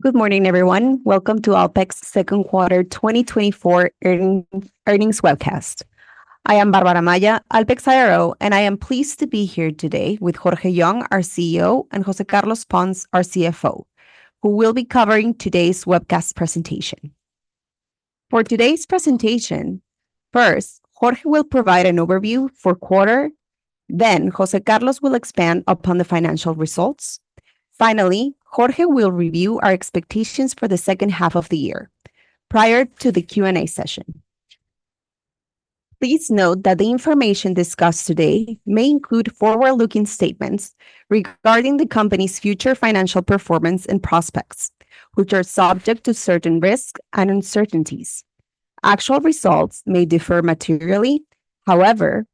Good morning, everyone. Welcome to Alpek's Second Quarter 2024 Earnings Webcast. I am Bárbara Amaya, Alpek's IRO, and I am pleased to be here today with Jorge Young, our CEO, and José Carlos Pons, our CFO, who will be covering today's webcast presentation. For today's presentation, first, Jorge will provide an overview for quarter. Then, José Carlos will expand upon the financial results. Finally, Jorge will review our expectations for the second half of the year prior to the Q&A session. Please note that the information discussed today may include forward-looking statements regarding the company's future financial performance and prospects, which are subject to certain risks and uncertainties. Actual results may differ materially. However,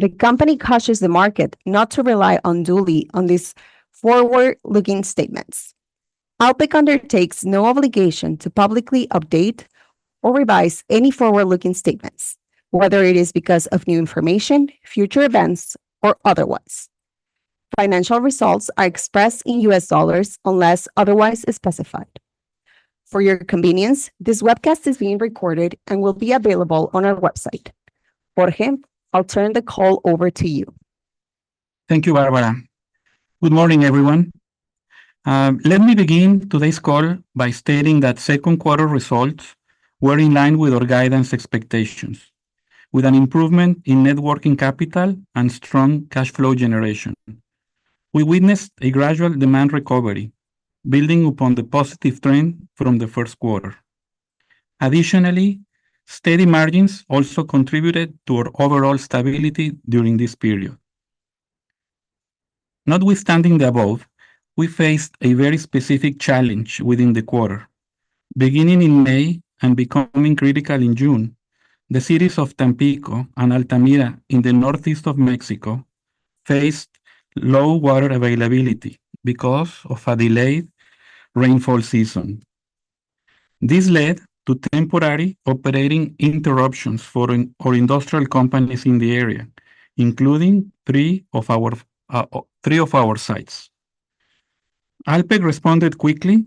the company cautions the market not to rely unduly on these forward-looking statements. Alpek undertakes no obligation to publicly update or revise any forward-looking statements, whether it is because of new information, future events, or otherwise. Financial results are expressed in U.S. dollars unless otherwise specified. For your convenience, this webcast is being recorded and will be available on our website. Jorge, I'll turn the call over to you. Thank you, Bárbara. Good morning, everyone. Let me begin today's call by stating that second quarter results were in line with our guidance expectations, with an improvement in net working capital and strong cash flow generation. We witnessed a gradual demand recovery, building upon the positive trend from the first quarter. Additionally, steady margins also contributed to our overall stability during this period. Notwithstanding the above, we faced a very specific challenge within the quarter. Beginning in May and becoming critical in June, the cities of Tampico and Altamira in the northeast of Mexico faced low water availability because of a delayed rainfall season. This led to temporary operating interruptions for our industrial companies in the area, including three of our sites. Alpek responded quickly,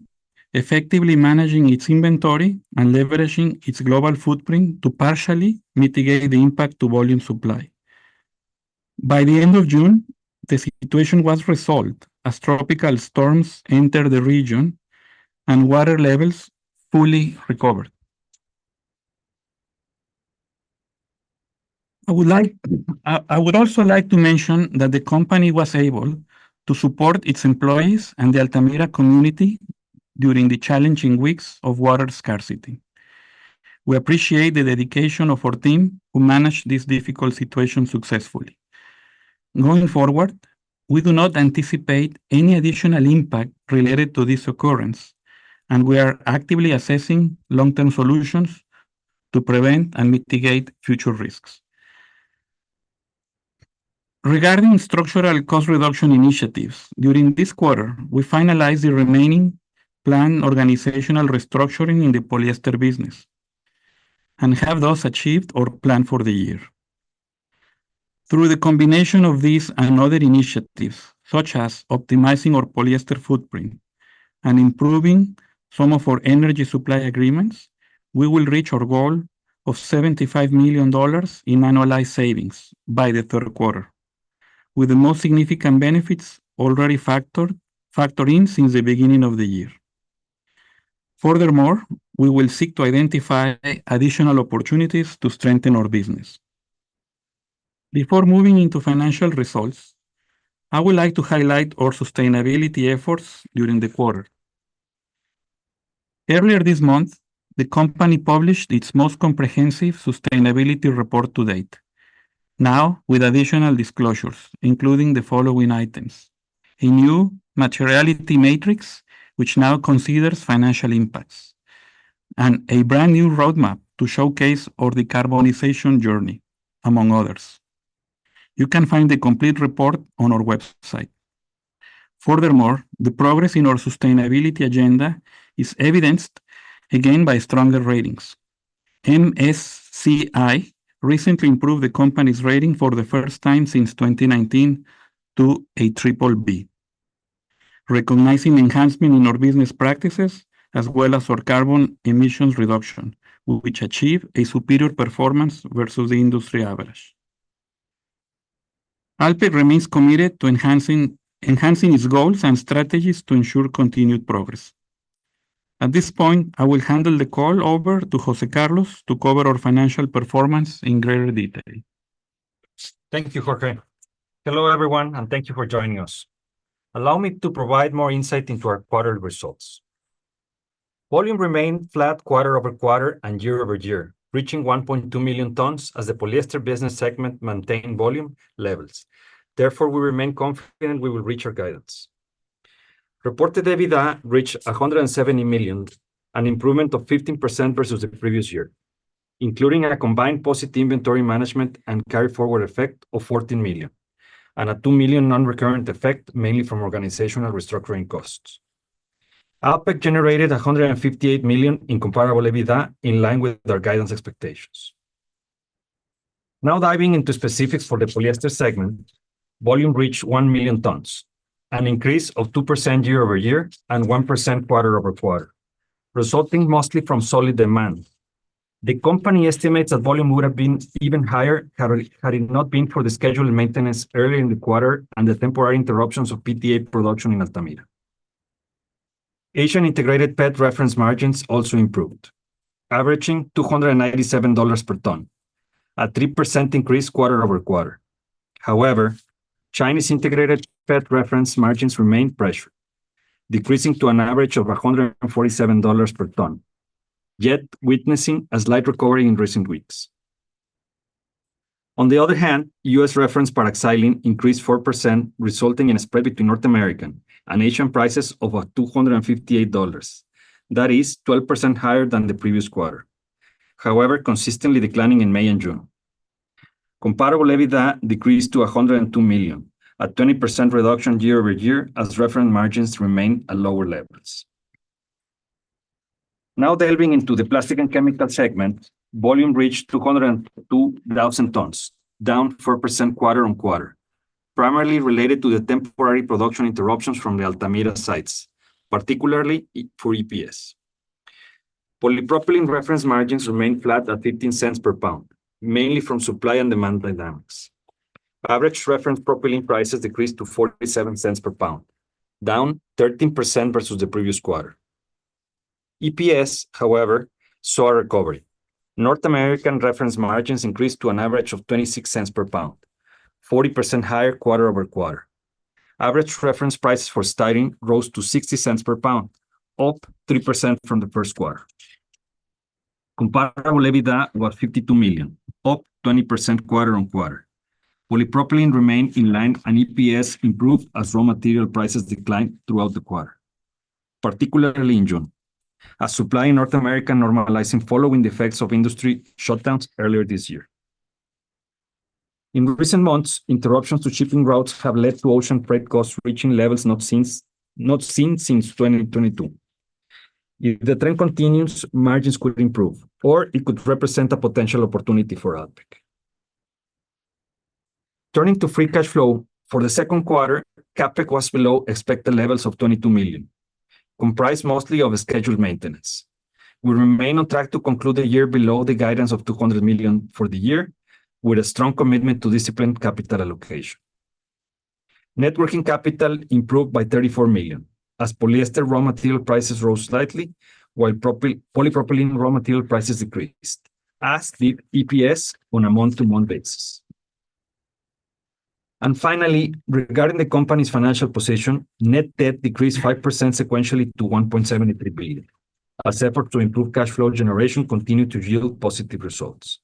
effectively managing its inventory and leveraging its global footprint to partially mitigate the impact to volume supply. By the end of June, the situation was resolved as tropical storms entered the region and water levels fully recovered. I would also like to mention that the company was able to support its employees and the Altamira community during the challenging weeks of water scarcity. We appreciate the dedication of our team who managed this difficult situation successfully. Going forward, we do not anticipate any additional impact related to this occurrence, and we are actively assessing long-term solutions to prevent and mitigate future risks. Regarding structural cost reduction initiatives, during this quarter, we finalized the remaining planned organizational restructuring in the polyester business and have thus achieved our plan for the year. Through the combination of these and other initiatives, such as optimizing our polyester footprint and improving some of our energy supply agreements, we will reach our goal of $75 million in annualized savings by the third quarter, with the most significant benefits already factored in since the beginning of the year. Furthermore, we will seek to identify additional opportunities to strengthen our business. Before moving into financial results, I would like to highlight our sustainability efforts during the quarter. Earlier this month, the company published its most comprehensive sustainability report to date, now with additional disclosures, including the following items: a new materiality matrix, which now considers financial impacts, and a brand new roadmap to showcase our decarbonization journey, among others. You can find the complete report on our website. Furthermore, the progress in our sustainability agenda is evidenced again by stronger ratings. MSCI recently improved the company's rating for the first time since 2019 to a BBB, recognizing enhancement in our business practices as well as our carbon emissions reduction, which achieved a superior performance versus the industry average. Alpek remains committed to enhancing its goals and strategies to ensure continued progress. At this point, I will hand the call over to José Carlos to cover our financial performance in greater detail. Thank you, Jorge. Hello, everyone, and thank you for joining us. Allow me to provide more insight into our quarterly results. Volume remained flat quarter-over-quarter and year-over-year, reaching 1.2 million tons as the polyester business segment maintained volume levels. Therefore, we remain confident we will reach our guidance. Reported EBITDA reached $170 million, an improvement of 15% versus the previous year, including a combined positive inventory management and carry forward effect of $14 million, and a $2 million non-recurrent effect, mainly from organizational restructuring costs. Alpek generated $158 million in comparable EBITDA in line with our guidance expectations. Now diving into specifics for the polyester segment, volume reached 1 million tons, an increase of 2% year-over-year and 1% quarter-over-quarter, resulting mostly from solid demand. The company estimates that volume would have been even higher had it not been for the scheduled maintenance earlier in the quarter and the temporary interruptions of PTA production in Altamira. Asian integrated PET reference margins also improved, averaging $297 per ton, a 3% increase quarter-over-quarter. However, Chinese integrated PET reference margins remained pressured, decreasing to an average of $147 per ton, yet witnessing a slight recovery in recent weeks. On the other hand, U.S. reference paraxylene increased 4%, resulting in a spread between North American and Asian prices of $258. That is 12% higher than the previous quarter, however consistently declining in May and June. Comparable EBITDA decreased to $102 million, a 20% reduction year-over-year as reference margins remain at lower levels. Now delving into the plastic and chemical segment, volume reached 202,000 tons, down 4% quarter-over-quarter, primarily related to the temporary production interruptions from the Altamira sites, particularly for EPS. Polypropylene reference margins remained flat at $0.15 per pound, mainly from supply and demand dynamics. Average reference propylene prices decreased to $0.47 per pound, down 13% versus the previous quarter. EPS, however, saw a recovery. North American reference margins increased to an average of $0.26 per pound, 40% higher quarter-over-quarter. Average reference prices for styrene rose to $0.60 per pound, up 3% from the first quarter. Comparable EBITDA was $52 million, up 20% quarter-over-quarter. Polypropylene remained in line and EPS improved as raw material prices declined throughout the quarter, particularly in June, as supply in North America normalized following the effects of industry shutdowns earlier this year. In recent months, interruptions to shipping routes have led to ocean freight costs reaching levels not seen since 2022. If the trend continues, margins could improve, or it could represent a potential opportunity for Alpek. Turning to free cash flow, for the second quarter, CapEx was below expected levels of $22 million, comprised mostly of scheduled maintenance. We remain on track to conclude the year below the guidance of $200 million for the year, with a strong commitment to disciplined capital allocation. Net working capital improved by $34 million as polyester raw material prices rose slightly while polypropylene raw material prices decreased, as did EPS on a month-to-month basis. Finally, regarding the company's financial position, net debt decreased 5% sequentially to $1.73 billion, as efforts to improve cash flow generation continue to yield positive results.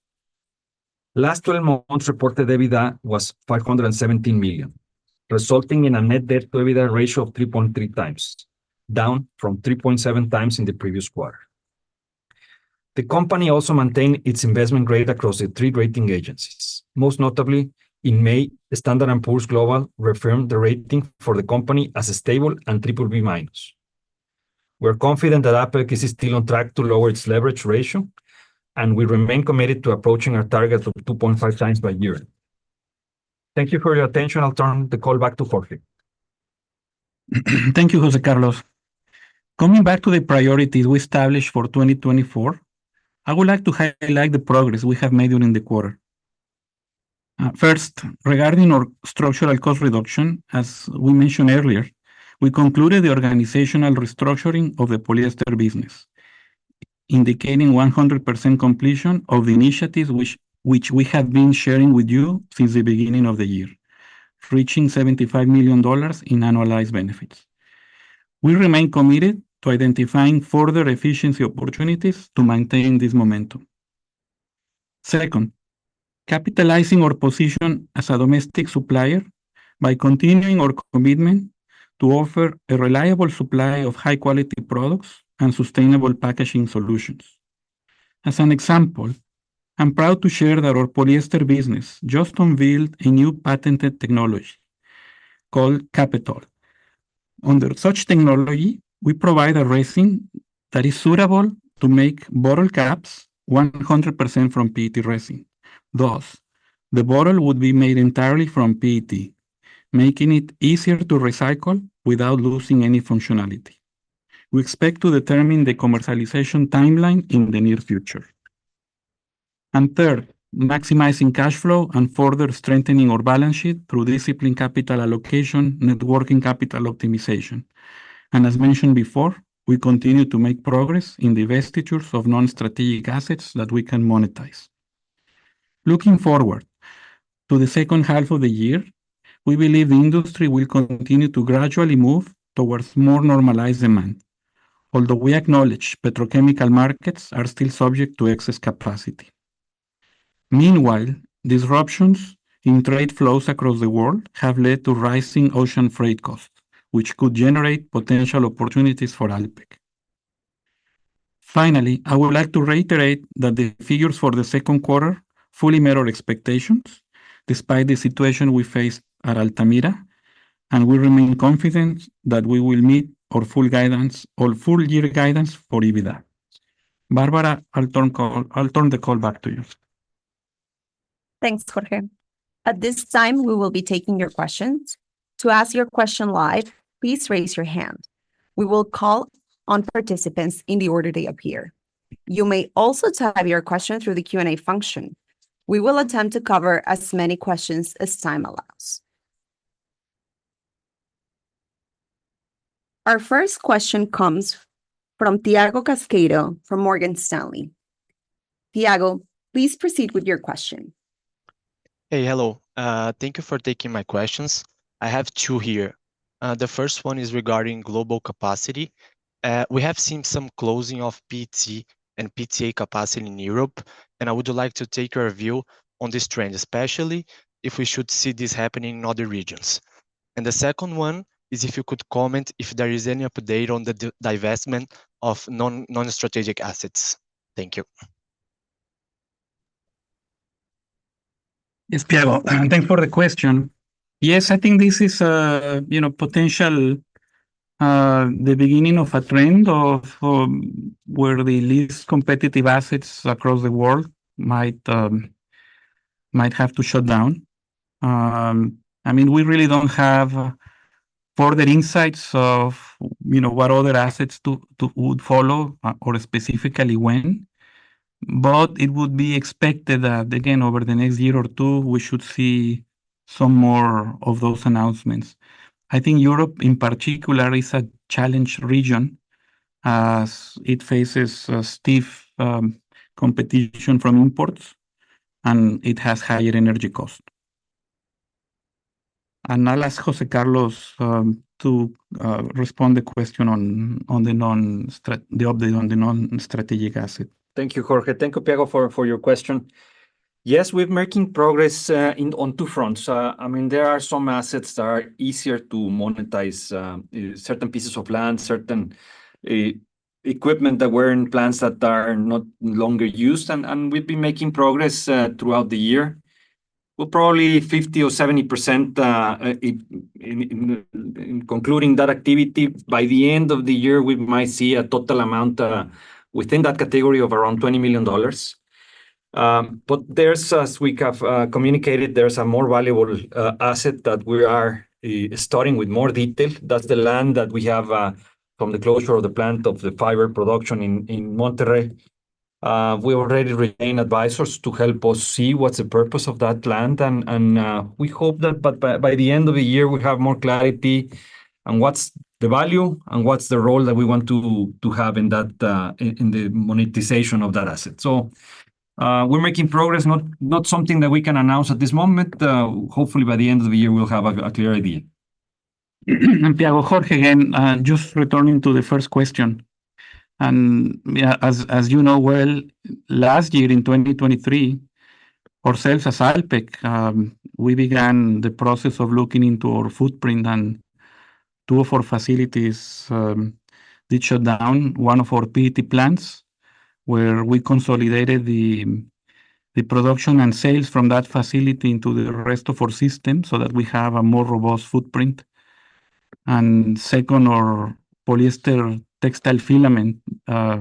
Last 12 months, reported EBITDA was $517 million, resulting in a net debt-to-EBITDA ratio of 3.3 times, down from 3.7 times in the previous quarter. The company also maintained its investment grade across the three rating agencies. Most notably, in May, S&P Global reaffirmed the rating for the company as a stable and BBB-. We are confident that Alpek is still on track to lower its leverage ratio, and we remain committed to approaching our targets of 2.5 times by year. Thank you for your attention. I'll turn the call back to Jorge. Thank you, José Carlos. Coming back to the priorities we established for 2024, I would like to highlight the progress we have made during the quarter. First, regarding our structural cost reduction, as we mentioned earlier, we concluded the organizational restructuring of the polyester business, indicating 100% completion of the initiatives which we have been sharing with you since the beginning of the year, reaching $75 million in annualized benefits. We remain committed to identifying further efficiency opportunities to maintain this momentum. Second, capitalizing our position as a domestic supplier by continuing our commitment to offer a reliable supply of high-quality products and sustainable packaging solutions. As an example, I'm proud to share that our polyester business just unveiled a new patented technology called CaPETall. Under such technology, we provide a resin that is suitable to make bottle caps 100% from PET resin. Thus, the bottle would be made entirely from PET, making it easier to recycle without losing any functionality. We expect to determine the commercialization timeline in the near future. And third, maximizing cash flow and further strengthening our balance sheet through disciplined capital allocation, net working capital optimization. And as mentioned before, we continue to make progress in the divestitures of non-strategic assets that we can monetize. Looking forward to the second half of the year, we believe the industry will continue to gradually move towards more normalized demand, although we acknowledge petrochemical markets are still subject to excess capacity. Meanwhile, disruptions in trade flows across the world have led to rising ocean freight costs, which could generate potential opportunities for Alpek. Finally, I would like to reiterate that the figures for the second quarter fully met our expectations despite the situation we faced at Altamira, and we remain confident that we will meet our full guidance, our full-year guidance for EBITDA. Bárbara, I'll turn the call back to you. Thanks, Jorge. At this time, we will be taking your questions. To ask your question live, please raise your hand. We will call on participants in the order they appear. You may also type your question through the Q&A function. We will attempt to cover as many questions as time allows. Our first question comes from Thiago Casqueiro from Morgan Stanley. Thiago, please proceed with your question. Hey, hello. Thank you for taking my questions. I have two here. The first one is regarding global capacity. We have seen some closing of PET and PTA capacity in Europe, and I would like to take your view on this trend, especially if we should see this happening in other regions. And the second one is if you could comment if there is any update on the divestment of non-strategic assets. Thank you. Yes, Thiago, and thanks for the question. Yes, I think this is a potential beginning of a trend of where the least competitive assets across the world might have to shut down. I mean, we really don't have further insights of what other assets would follow or specifically when, but it would be expected that, again, over the next year or two, we should see some more of those announcements. I think Europe, in particular, is a challenged region as it faces stiff competition from imports, and it has higher energy costs. I'll ask José Carlos to respond to the question on the update on the non-strategic asset. Thank you, Jorge. Thank you, Thiago, for your question. Yes, we're making progress on two fronts. I mean, there are some assets that are easier to monetize, certain pieces of land, certain equipment that were in plants that are no longer used, and we've been making progress throughout the year. We're probably 50% or 70% in concluding that activity. By the end of the year, we might see a total amount within that category of around $20 million. But there's, as we have communicated, there's a more valuable asset that we are studying with more detail. That's the land that we have from the closure of the plant of the fiber production in Monterrey. We already retain advisors to help us see what's the purpose of that land, and we hope that by the end of the year, we have more clarity on what's the value and what's the role that we want to have in the monetization of that asset. So we're making progress, not something that we can announce at this moment. Hopefully, by the end of the year, we'll have a clear idea. Thiago, Jorge, again, just returning to the first question. As you know well, last year in 2023, ourselves as Alpek, we began the process of looking into our footprint, and two of our facilities did shut down. One of our PET plants where we consolidated the production and sales from that facility into the rest of our system so that we have a more robust footprint. Second, our polyester textile filament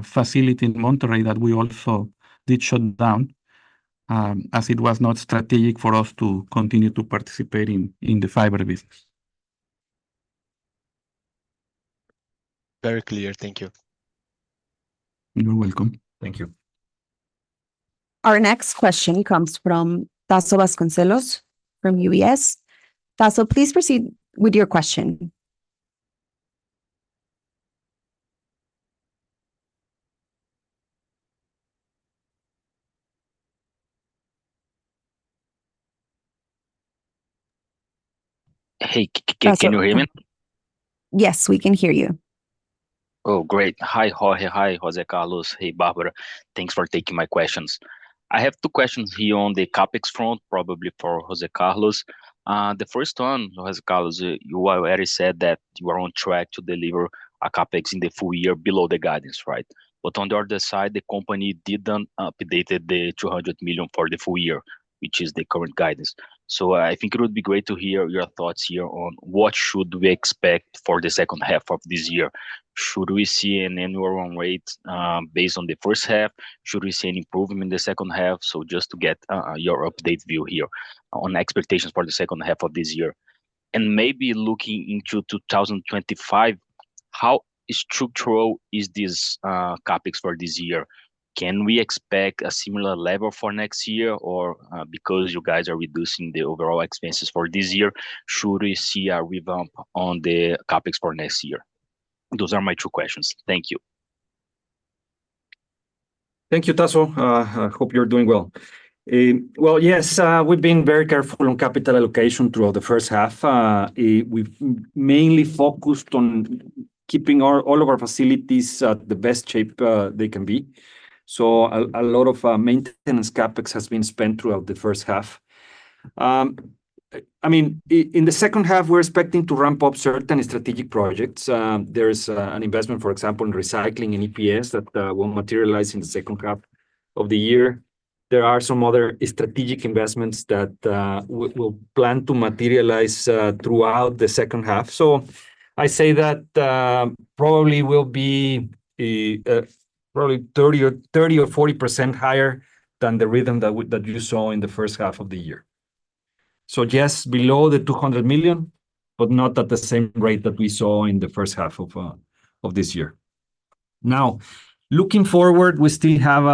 facility in Monterrey that we also did shut down as it was not strategic for us to continue to participate in the fiber business. Very clear. Thank you. You're welcome. Thank you. Our next question comes from Tasso Vasconcellos from UBS. Tasso, please proceed with your question. Hey, can you hear me? Yes, we can hear you. Oh, great. Hi, Jorge. Hi, José Carlos. Hey, Bárbara. Thanks for taking my questions. I have two questions here on the CapEx front, probably for José Carlos. The first one, José Carlos, you already said that you are on track to deliver a CapEx in the full year below the guidance, right? But on the other side, the company didn't update the $200 million for the full year, which is the current guidance. So I think it would be great to hear your thoughts here on what should we expect for the second half of this year. Should we see an annual run rate based on the first half? Should we see an improvement in the second half? So just to get your updated view here on expectations for the second half of this year. And maybe looking into 2025, how structural is this CapEx for this year? Can we expect a similar level for next year? Or because you guys are reducing the overall expenses for this year, should we see a revamp on the CapEx for next year? Those are my two questions. Thank you. Thank you, Tasso. I hope you're doing well. Well, yes, we've been very careful on capital allocation throughout the first half. We've mainly focused on keeping all of our facilities at the best shape they can be. So a lot of maintenance CapEx has been spent throughout the first half. I mean, in the second half, we're expecting to ramp up certain strategic projects. There's an investment, for example, in recycling and EPS that will materialize in the second half of the year. There are some other strategic investments that we'll plan to materialize throughout the second half. So I say that probably will be probably 30% or 40% higher than the rhythm that you saw in the first half of the year. So yes, below the $200 million, but not at the same rate that we saw in the first half of this year. Now, looking forward, we still have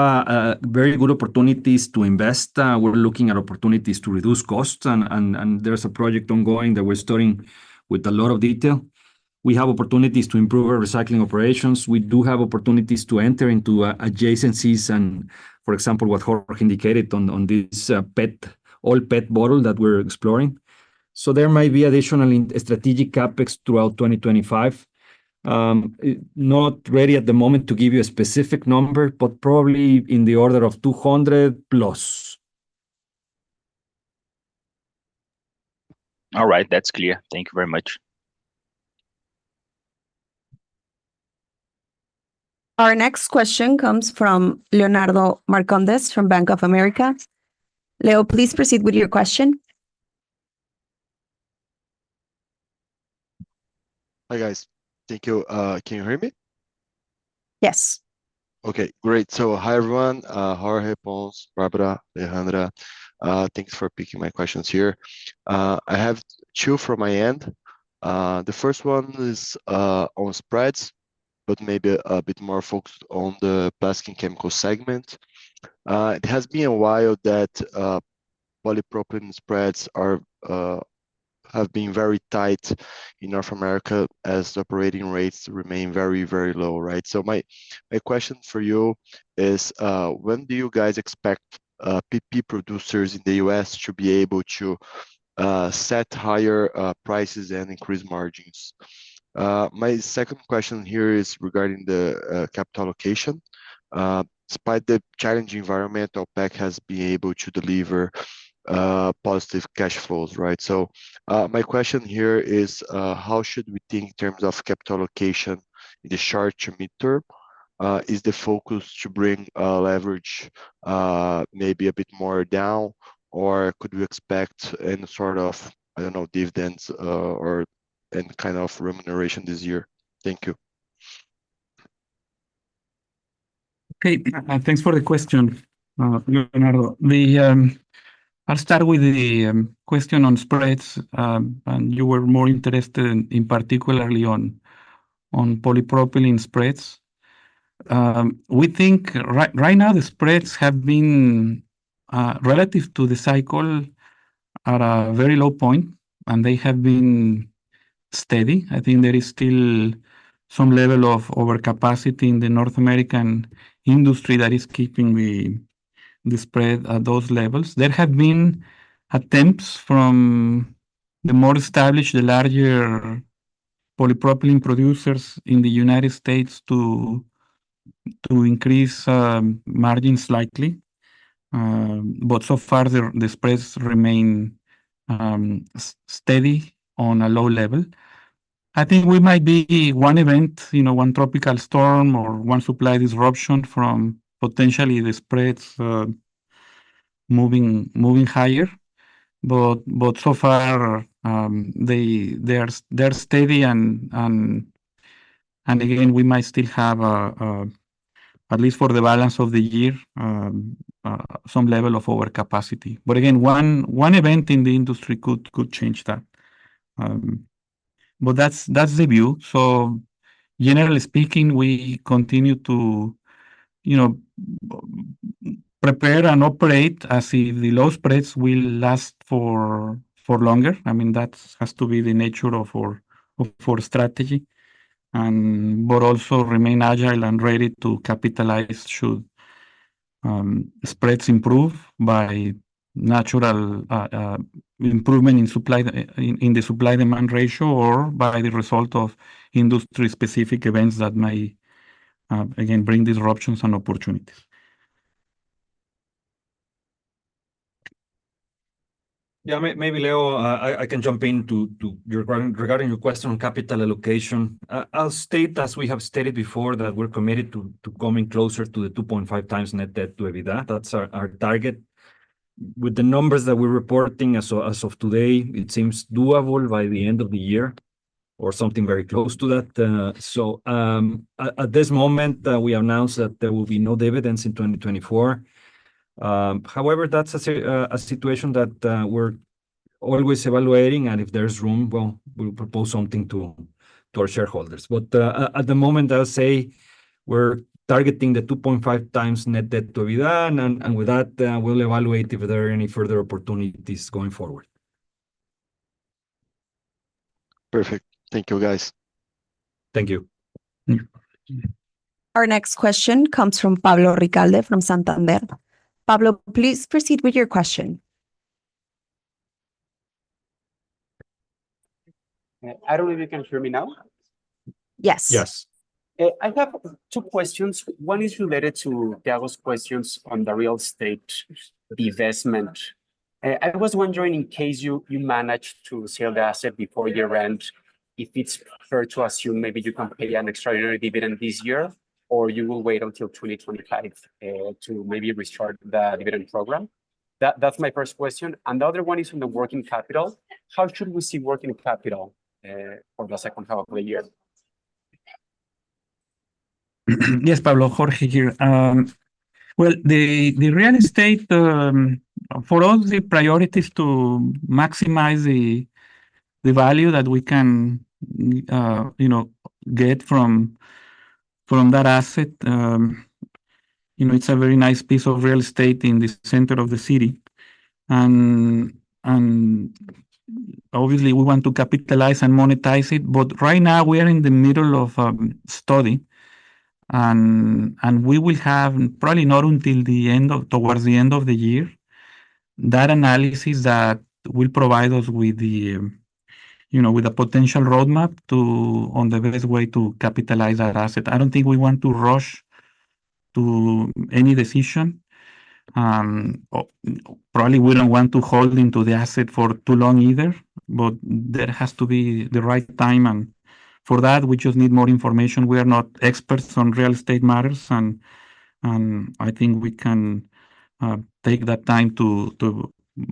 very good opportunities to invest. We're looking at opportunities to reduce costs, and there's a project ongoing that we're studying with a lot of detail. We have opportunities to improve our recycling operations. We do have opportunities to enter into adjacencies, and for example, what Jorge indicated on this all-PET bottle that we're exploring. So there might be additional strategic CapEx throughout 2025. Not ready at the moment to give you a specific number, but probably in the order of $200+. All right. That's clear. Thank you very much. Our next question comes from Leonardo Marcondes from Bank of America. Leo, please proceed with your question. Hi, guys. Thank you. Can you hear me? Yes. Okay. Great. So hi, everyone. Jorge, Pons, Bárbara, Alejandra. Thanks for picking my questions here. I have two from my end. The first one is on spreads, but maybe a bit more focused on the plastic and chemical segment. It has been a while that polypropylene spreads have been very tight in North America as operating rates remain very, very low, right? So my question for you is, when do you guys expect PET producers in the U.S. to be able to set higher prices and increase margins? My second question here is regarding the capital allocation. Despite the challenging environment, Alpek has been able to deliver positive cash flows, right? So my question here is, how should we think in terms of capital allocation in the short to mid-term? Is the focus to bring leverage maybe a bit more down, or could we expect any sort of, I don't know, dividends or any kind of remuneration this year? Thank you. Okay. Thanks for the question, Leonardo. I'll start with the question on spreads, and you were more interested in particularly on polypropylene spreads. We think right now the spreads have been relative to the cycle at a very low point, and they have been steady. I think there is still some level of overcapacity in the North American industry that is keeping the spread at those levels. There have been attempts from the more established, the larger polypropylene producers in the United States to increase margins slightly, but so far, the spreads remain steady on a low level. I think we might be one event, one tropical storm or one supply disruption from potentially the spreads moving higher. But so far, they're steady, and again, we might still have, at least for the balance of the year, some level of overcapacity. But again, one event in the industry could change that. But that's the view. So generally speaking, we continue to prepare and operate as if the low spreads will last for longer. I mean, that has to be the nature of our strategy, but also remain agile and ready to capitalize should spreads improve by natural improvement in the supply-demand ratio or by the result of industry-specific events that may, again, bring disruptions and opportunities. Yeah, maybe, Leo, I can jump in regarding your question on capital allocation. I'll state, as we have stated before, that we're committed to coming closer to the 2.5 times net debt to EBITDA. That's our target. With the numbers that we're reporting as of today, it seems doable by the end of the year or something very close to that. So at this moment, we announced that there will be no dividends in 2024. However, that's a situation that we're always evaluating, and if there's room, well, we'll propose something to our shareholders. But at the moment, I'll say we're targeting the 2.5 times net debt to EBITDA, and with that, we'll evaluate if there are any further opportunities going forward. Perfect. Thank you, guys. Thank you. Our next question comes from Pablo Ricalde from Santander. Pablo, please proceed with your question. I don't know if you can hear me now. Yes. Yes. I have two questions. One is related to Thiago's questions on the real estate investment. I was wondering, in case you manage to sell the asset before year-end, if it's fair to assume maybe you can pay an extraordinary dividend this year, or you will wait until 2025 to maybe restart the dividend program? That's my first question. And the other one is on the working capital. How should we see working capital for the second half of the year? Yes, Pablo, Jorge here. Well, the real estate, for all the priorities to maximize the value that we can get from that asset, it's a very nice piece of real estate in the center of the city. Obviously, we want to capitalize and monetize it. But right now, we are in the middle of a study, and we will have probably not until towards the end of the year that analysis that will provide us with a potential roadmap on the best way to capitalize that asset. I don't think we want to rush to any decision. Probably we don't want to hold into the asset for too long either, but there has to be the right time. For that, we just need more information. We are not experts on real estate matters, and I think we can take that time to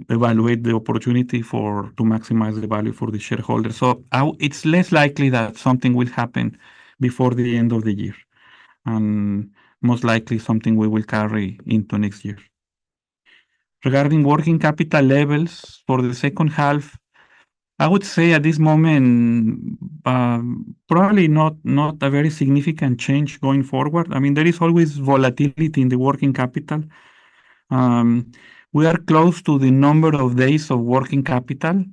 evaluate the opportunity to maximize the value for the shareholders. So it's less likely that something will happen before the end of the year, and most likely something we will carry into next year. Regarding working capital levels for the second half, I would say at this moment, probably not a very significant change going forward. I mean, there is always volatility in the working capital. We are close to the number of days of working capital.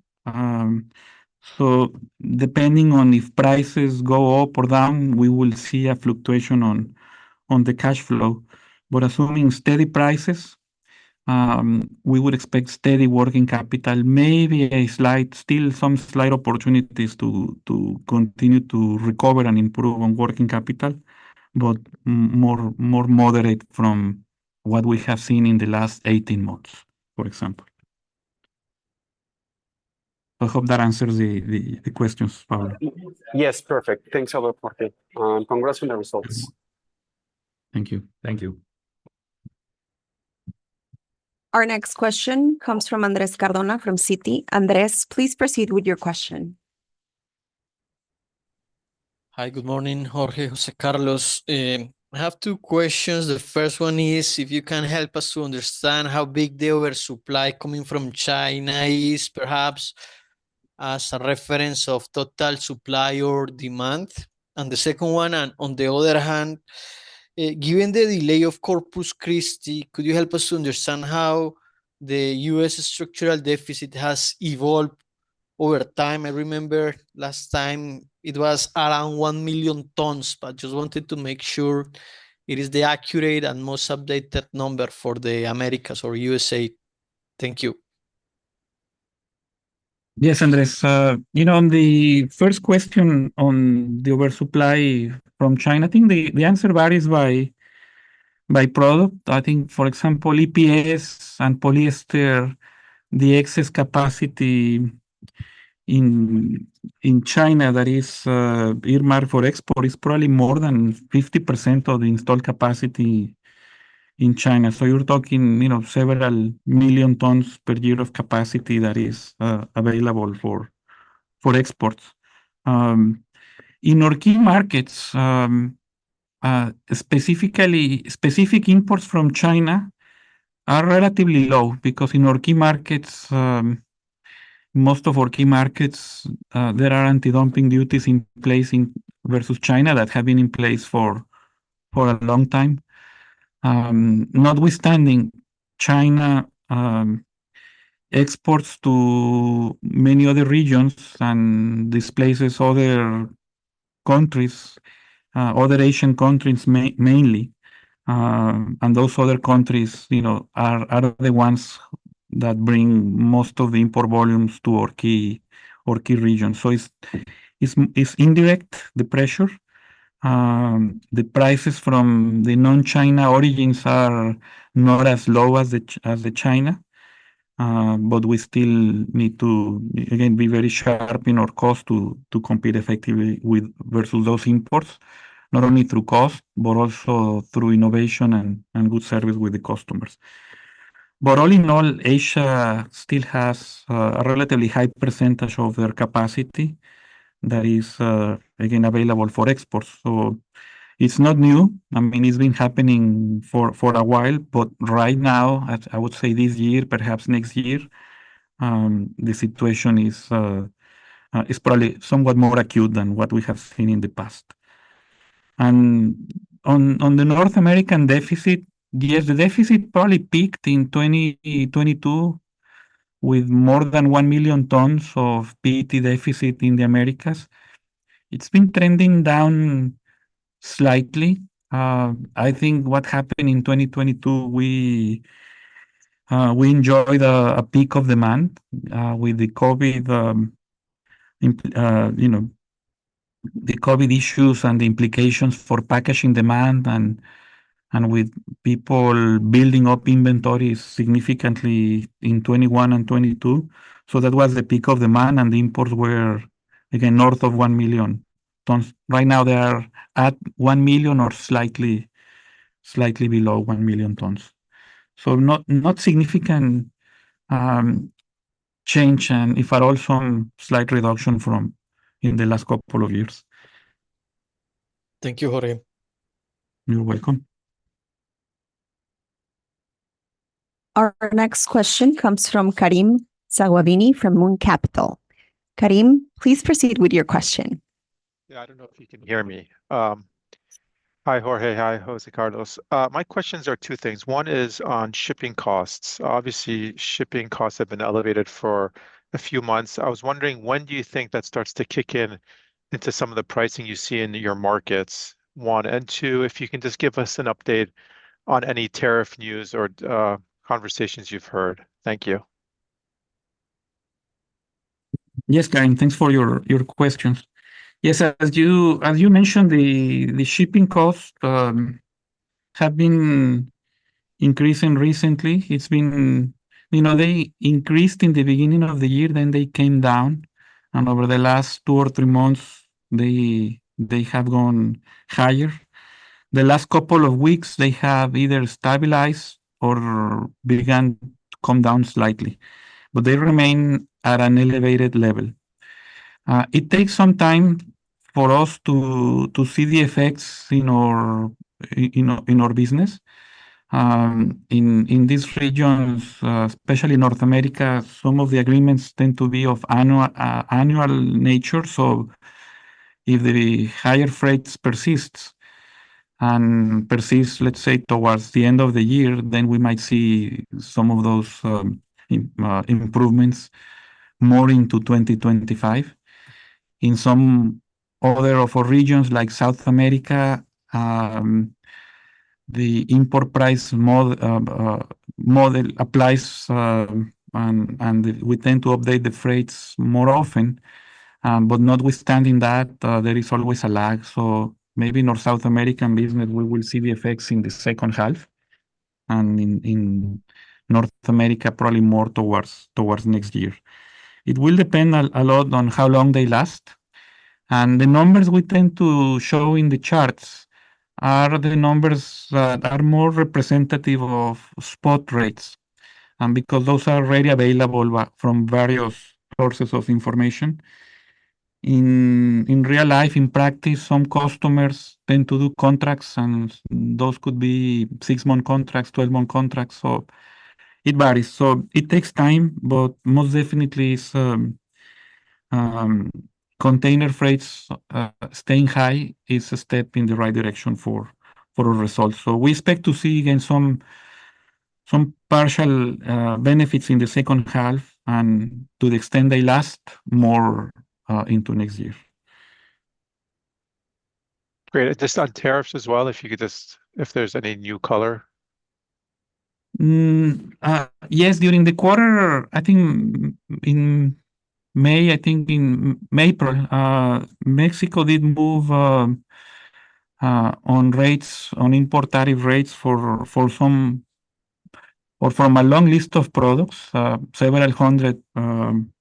So depending on if prices go up or down, we will see a fluctuation on the cash flow. But assuming steady prices, we would expect steady working capital, maybe still some slight opportunities to continue to recover and improve on working capital, but more moderate from what we have seen in the last 18 months, for example. I hope that answers the questions, Pablo. Yes, perfect. Thanks, Jorge. Congrats on the results. Thank you. Thank you. Our next question comes from Andrés Cardona from Citi. Andrés, please proceed with your question. Hi, good morning, Jorge, José Carlos. I have two questions. The first one is if you can help us to understand how big the oversupply coming from China is, perhaps as a reference of total supply or demand. And the second one, on the other hand, given the delay of Corpus Christi, could you help us to understand how the U.S. structural deficit has evolved over time? I remember last time it was around 1 million tons, but just wanted to make sure it is the accurate and most updated number for the Americas or U.S.A. Thank you. Yes, Andrés. You know, on the first question on the oversupply from China, I think the answer varies by product. I think, for example, EPS and polyester, the excess capacity in China that is earmarked for export is probably more than 50% of the installed capacity in China. So you're talking several million tons per year of capacity that is available for exports. In our key markets, specific imports from China are relatively low because in our key markets, most of our key markets, there are anti-dumping duties in place versus China that have been in place for a long time. Notwithstanding, China exports to many other regions and displaces other countries, other Asian countries mainly. And those other countries are the ones that bring most of the import volumes to our key regions. So it's indirect, the pressure. The prices from the non-China origins are not as low as the China, but we still need to, again, be very sharp in our cost to compete effectively versus those imports, not only through cost, but also through innovation and good service with the customers. But all in all, Asia still has a relatively high percentage of their capacity that is, again, available for exports. So it's not new. I mean, it's been happening for a while, but right now, I would say this year, perhaps next year, the situation is probably somewhat more acute than what we have seen in the past. And on the North American deficit, yes, the deficit probably peaked in 2022 with more than 1 million tons of PET deficit in the Americas. It's been trending down slightly. I think what happened in 2022, we enjoyed a peak of demand with the COVID issues and the implications for packaging demand and with people building up inventories significantly in 2021 and 2022. So that was the peak of demand, and the imports were, again, north of 1 million tons. Right now, they are at 1 million tons or slightly below 1 million tons. So not significant change, and if at all, some slight reduction from in the last couple of years. Thank you, Jorge. You're welcome. Our next question comes from Karim Sawabini from Moon Capital. Karim, please proceed with your question. Yeah, I don't know if you can hear me. Hi, Jorge. Hi, José Carlos. My questions are two things. One is on shipping costs. Obviously, shipping costs have been elevated for a few months. I was wondering, when do you think that starts to kick in into some of the pricing you see in your markets? One. And two, if you can just give us an update on any tariff news or conversations you've heard. Thank you. Yes, Karim, thanks for your questions. Yes, as you mentioned, the shipping costs have been increasing recently. They increased in the beginning of the year, then they came down, and over the last two or three months, they have gone higher. The last couple of weeks, they have either stabilized or begun to come down slightly, but they remain at an elevated level. It takes some time for us to see the effects in our business. In these regions, especially North America, some of the agreements tend to be of annual nature. So if the higher freight persists and persists, let's say, towards the end of the year, then we might see some of those improvements more into 2025. In some other of our regions, like South America, the import price model applies, and we tend to update the freights more often, but notwithstanding that, there is always a lag. Maybe in our South American business, we will see the effects in the second half, and in North America, probably more towards next year. It will depend a lot on how long they last. The numbers we tend to show in the charts are the numbers that are more representative of spot rates. Because those are already available from various sources of information. In real life, in practice, some customers tend to do contracts, and those could be six-month contracts, 12-month contracts. It varies. It takes time, but most definitely, container freights staying high is a step in the right direction for our results. We expect to see, again, some partial benefits in the second half and to the extent they last more into next year. Great. Just on tariffs as well, if you could just, if there's any new color? Yes, during the quarter, I think in May, I think in April, Mexico did move on import tariff rates for some or from a long list of products, several hundred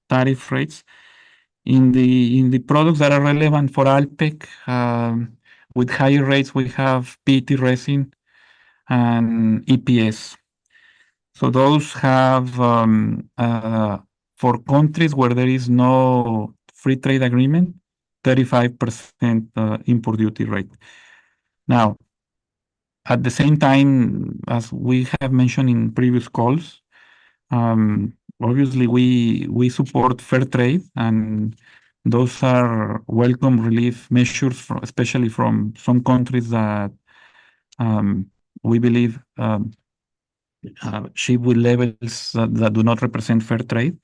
tariff rates in the products that are relevant for Alpek with higher rates. We have PET resin and EPS. So those have for countries where there is no free trade agreement, 35% import duty rate. Now, at the same time, as we have mentioned in previous calls, obviously, we support fair trade, and those are welcome relief measures, especially from some countries that we believe ship with levels that do not represent fair trade,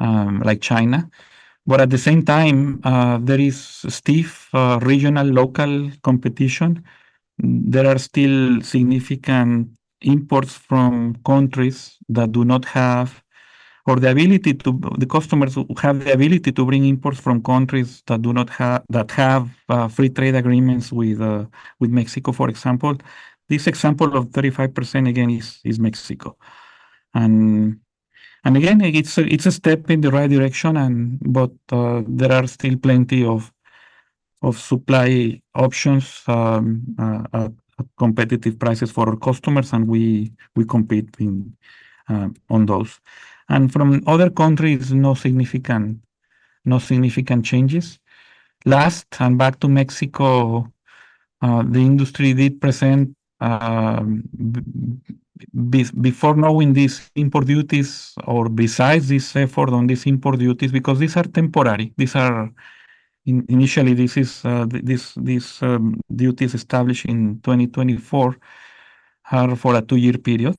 like China. But at the same time, there is stiff regional local competition. There are still significant imports from countries that do not have or the ability to the customers who have the ability to bring imports from countries that have free trade agreements with Mexico, for example. This example of 35%, again, is Mexico. And again, it's a step in the right direction, but there are still plenty of supply options, competitive prices for our customers, and we compete on those. And from other countries, no significant changes. Last, and back to Mexico, the industry did present before knowing these import duties or besides this effort on these import duties because these are temporary. Initially, these duties established in 2024 are for a two-year period.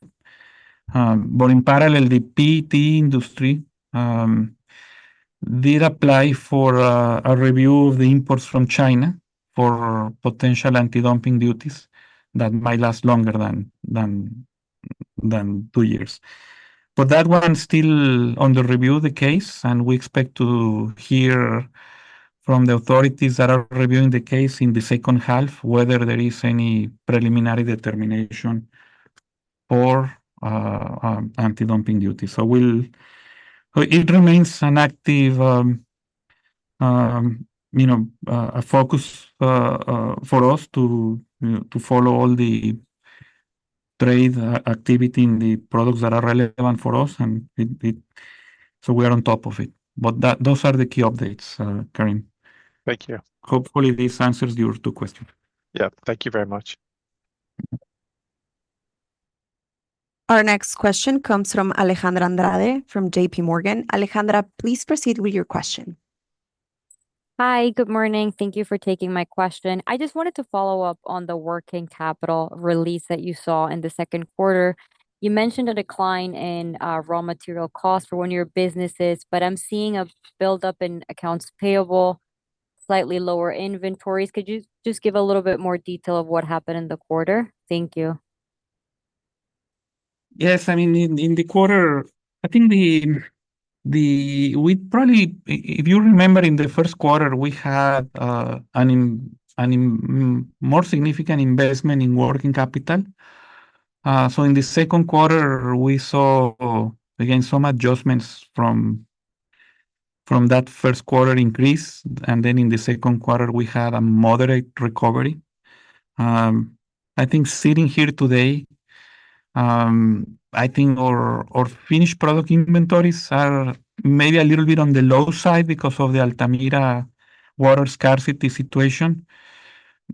But in parallel, the PET industry did apply for a review of the imports from China for potential anti-dumping duties that might last longer than two years. But that one is still under review, the case, and we expect to hear from the authorities that are reviewing the case in the second half whether there is any preliminary determination or anti-dumping duties. So it remains an active focus for us to follow all the trade activity in the products that are relevant for us. And so we are on top of it. But those are the key updates, Karim. Thank you. Hopefully, this answers your two questions. Yeah, thank you very much. Our next question comes from Alejandra Andrade from JPMorgan. Alejandra, please proceed with your question. Hi, good morning. Thank you for taking my question. I just wanted to follow up on the working capital release that you saw in the second quarter. You mentioned a decline in raw material costs for one of your businesses, but I'm seeing a buildup in accounts payable, slightly lower inventories. Could you just give a little bit more detail of what happened in the quarter? Thank you. Yes. I mean, in the quarter, I think we probably, if you remember, in the first quarter, we had a more significant investment in working capital. So in the second quarter, we saw, again, some adjustments from that first quarter increase. And then in the second quarter, we had a moderate recovery. I think sitting here today, I think our finished product inventories are maybe a little bit on the low side because of the Altamira water scarcity situation.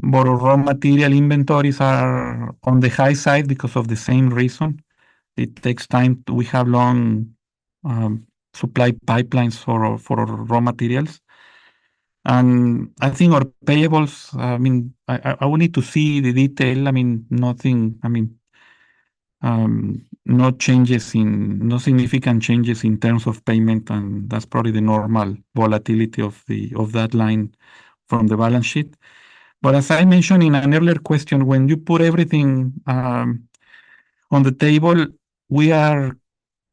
But our raw material inventories are on the high side because of the same reason. It takes time. We have long supply pipelines for raw materials. And I think our payables, I mean, I will need to see the detail. I mean, nothing, I mean, no significant changes in terms of payment, and that's probably the normal volatility of that line from the balance sheet. But as I mentioned in an earlier question, when you put everything on the table, we are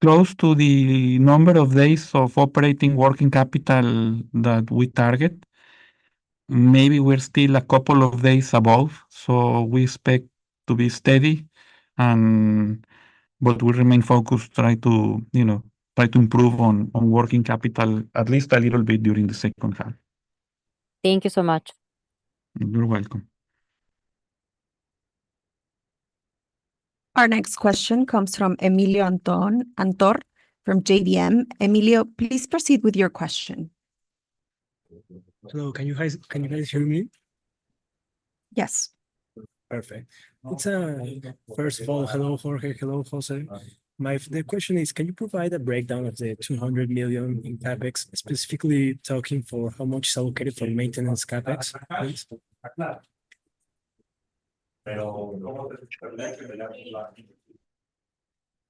close to the number of days of operating working capital that we target. Maybe we're still a couple of days above. So we expect to be steady, but we remain focused, try to improve on working capital at least a little bit during the second half. Thank you so much. You're welcome. Our next question comes from Emilio Antor from GBM. Emilio, please proceed with your question. Hello. Can you guys hear me? Yes. Perfect. First of all, hello, Jorge. Hello, José. The question is, can you provide a breakdown of the $200 million in CapEx, specifically talking for how much is allocated for maintenance CapEx, please?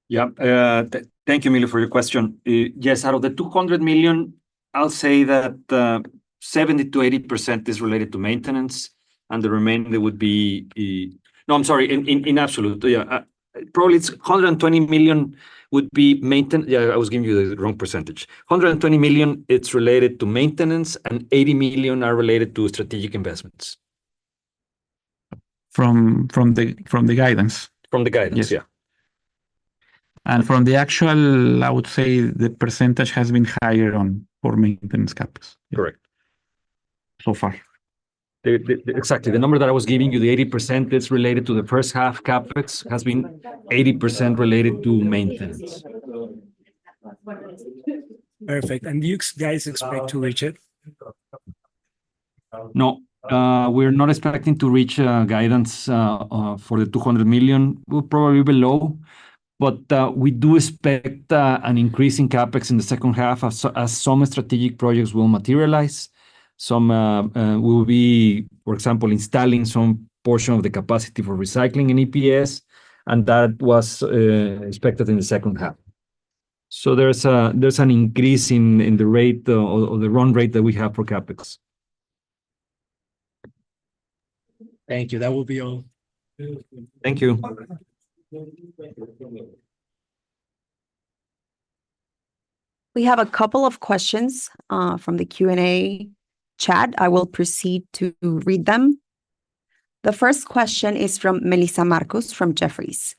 Yeah. Thank you, Emilio, for your question. Yes, out of the $200 million, I'll say that 70%-80% is related to maintenance, and the remainder would be no, I'm sorry, in absolute. Yeah, probably it's $120 million would be maintenance. Yeah, I was giving you the wrong percentage. $120 million, it's related to maintenance, and $80 million are related to strategic investments. From the guidance? From the guidance, yeah. From the actual, I would say the percentage has been higher on for maintenance CapEx. Correct. So far. Exactly. The number that I was giving you, the 80%, it's related to the first half CapEx has been 80% related to maintenance. Perfect. And you guys expect to reach it? No, we're not expecting to reach guidance for the $200 million. We're probably below, but we do expect an increase in CapEx in the second half as some strategic projects will materialize. Some will be, for example, installing some portion of the capacity for recycling in EPS, and that was expected in the second half. So there's an increase in the rate or the run rate that we have for CapEx. Thank you. That will be all. Thank you. We have a couple of questions from the Q&A chat. I will proceed to read them. The first question is from Melissa Marcus from Jefferies.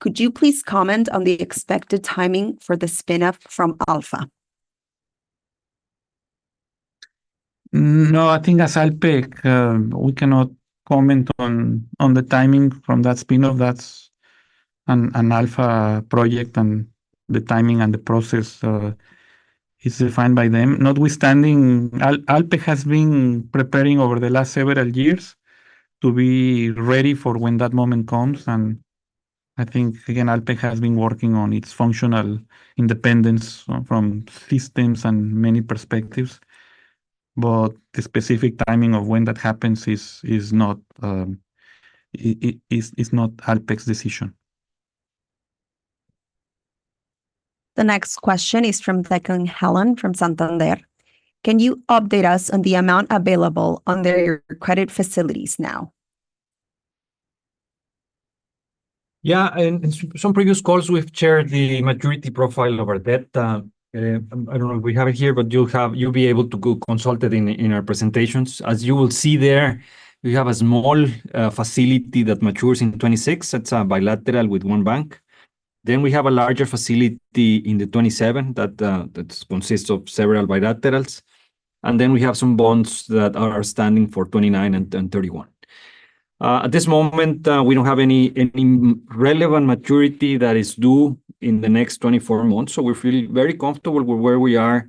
Could you please comment on the expected timing for the spinoff from Alfa? No, I think as Alpek, we cannot comment on the timing from that spinoff. That's an Alfa project, and the timing and the process is defined by them. Notwithstanding, Alpek has been preparing over the last several years to be ready for when that moment comes. And I think, again, Alpek has been working on its functional independence from systems and many perspectives. But the specific timing of when that happens is not Alpek's decision. The next question is from Declan Hanlon from Santander. Can you update us on the amount available under your credit facilities now? Yeah. In some previous calls, we've shared the maturity profile of our debt. I don't know if we have it here, but you'll be able to consult it in our presentations. As you will see there, we have a small facility that matures in 2026. It's a bilateral with one bank. Then we have a larger facility in 2027 that consists of several bilaterals. And then we have some bonds that are standing for 2029 and 2031. At this moment, we don't have any relevant maturity that is due in the next 24 months. So we're feeling very comfortable with where we are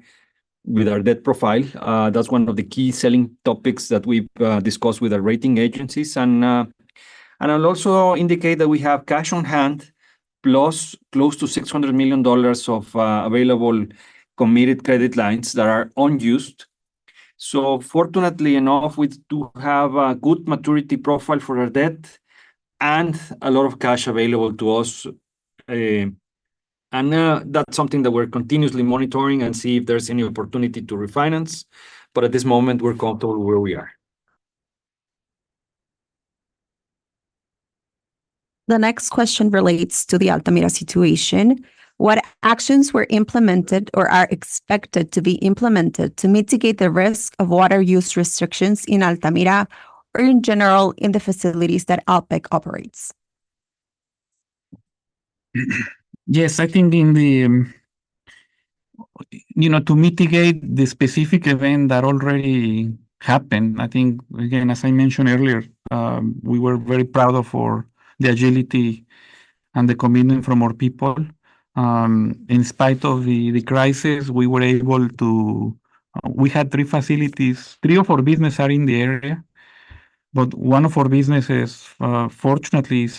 with our debt profile. That's one of the key selling topics that we've discussed with our rating agencies. And I'll also indicate that we have cash on hand, plus close to $600 million of available committed credit lines that are unused. Fortunately enough, we do have a good maturity profile for our debt and a lot of cash available to us. That's something that we're continuously monitoring and see if there's any opportunity to refinance. At this moment, we're comfortable where we are. The next question relates to the Altamira situation. What actions were implemented or are expected to be implemented to mitigate the risk of water use restrictions in Altamira or in general in the facilities that Alpek operates? Yes, I think in order to mitigate the specific event that already happened, I think, again, as I mentioned earlier, we were very proud of the agility and the commitment from our people. In spite of the crisis, we were able to. We had three facilities. Three of our businesses are in the area, but one of our businesses, fortunately,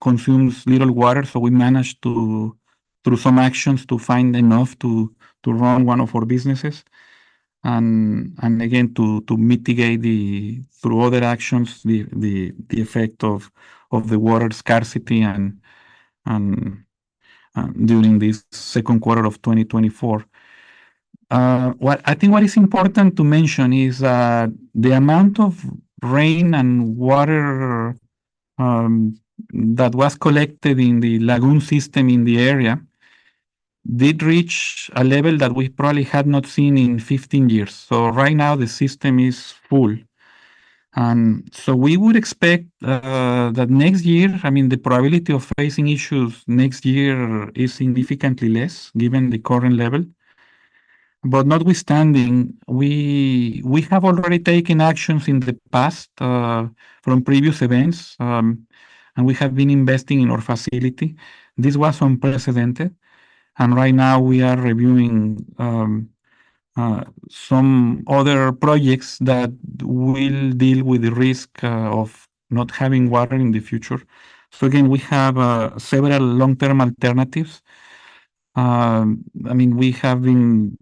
consumes little water. So we managed to, through some actions, to find enough to run one of our businesses. And again, to mitigate through other actions, the effect of the water scarcity during this second quarter of 2024. I think what is important to mention is that the amount of rain and water that was collected in the lagoon system in the area did reach a level that we probably had not seen in 15 years. So right now, the system is full. And so we would expect that next year, I mean, the probability of facing issues next year is significantly less given the current level. But notwithstanding, we have already taken actions in the past from previous events, and we have been investing in our facility. This was unprecedented. And right now, we are reviewing some other projects that will deal with the risk of not having water in the future. So again, we have several long-term alternatives. I mean, we have been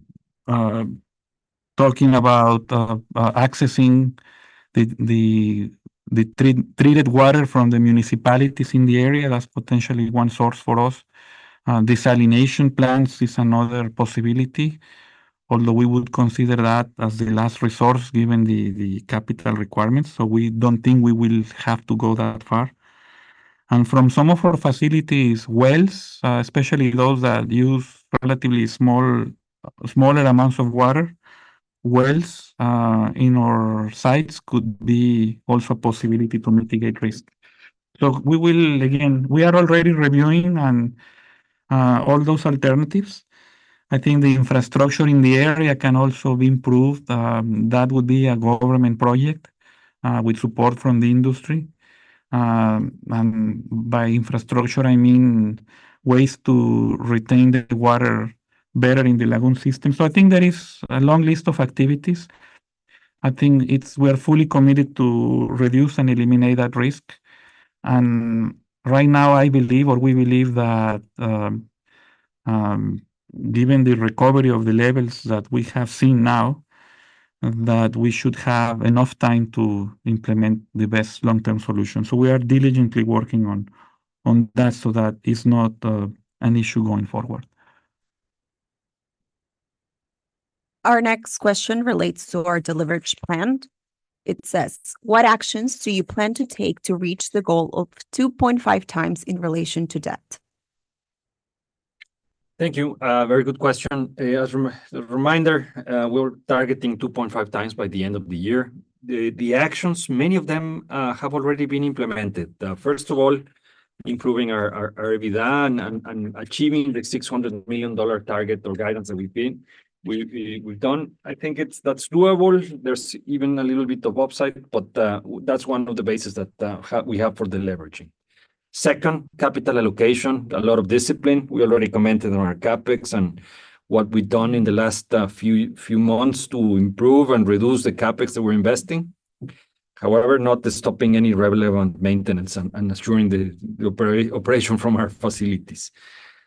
talking about accessing the treated water from the municipalities in the area. That's potentially one source for us. Desalination plants is another possibility, although we would consider that as the last resource given the capital requirements. So we don't think we will have to go that far. From some of our facilities, wells, especially those that use relatively smaller amounts of water, wells in our sites could be also a possibility to mitigate risk. So we will, again, we are already reviewing all those alternatives. I think the infrastructure in the area can also be improved. That would be a government project with support from the industry. By infrastructure, I mean ways to retain the water better in the lagoon system. So I think there is a long list of activities. I think we are fully committed to reduce and eliminate that risk. Right now, I believe, or we believe that given the recovery of the levels that we have seen now, that we should have enough time to implement the best long-term solution. So we are diligently working on that so that it's not an issue going forward. Our next question relates to our deleveraging plan. It says, "What actions do you plan to take to reach the goal of 2.5 times in relation to debt? Thank you. Very good question. As a reminder, we're targeting 2.5 times by the end of the year. The actions, many of them have already been implemented. First of all, improving our EBITDA and achieving the $600 million target or guidance that we've done. I think that's doable. There's even a little bit of upside, but that's one of the bases that we have for deleveraging. Second, capital allocation, a lot of discipline. We already commented on our CapEx and what we've done in the last few months to improve and reduce the CapEx that we're investing. However, not stopping any relevant maintenance and assuring the operation from our facilities.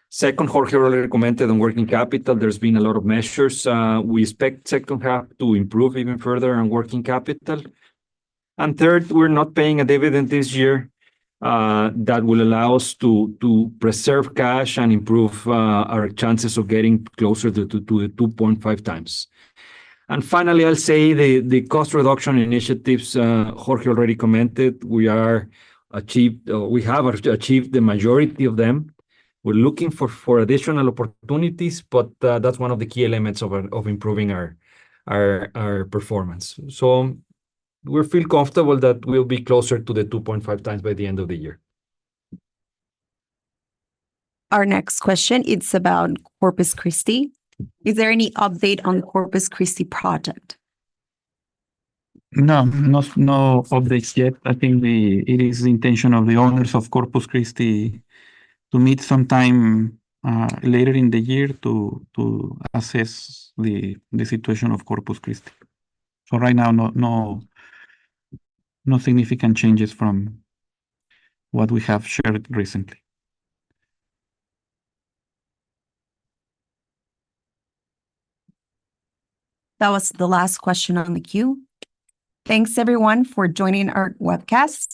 Second, Jorge already commented on working capital. There's been a lot of measures. We expect second half to improve even further on working capital. And third, we're not paying a dividend this year that will allow us to preserve cash and improve our chances of getting closer to the 2.5 times. And finally, I'll say the cost reduction initiatives; Jorge already commented, we have achieved the majority of them. We're looking for additional opportunities, but that's one of the key elements of improving our performance. So we feel comfortable that we'll be closer to the 2.5 times by the end of the year. Our next question, it's about Corpus Christi. Is there any update on the Corpus Christi project? No, no updates yet. I think it is the intention of the owners of Corpus Christi to meet sometime later in the year to assess the situation of Corpus Christi. So right now, no significant changes from what we have shared recently. That was the last question on the queue. Thanks, everyone, for joining our webcast.